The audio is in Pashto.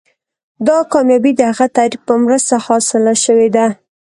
دا کامیابي د هغه تعریف په مرسته حاصله شوې ده.